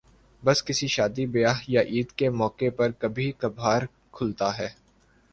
بس کسی شادی بیاہ یا عید کے موقع پر کبھی کبھارکھلتا ہے ۔